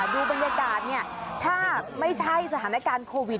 ดูบรรยากาศถ้าไม่ใช่สถานการณ์โควิด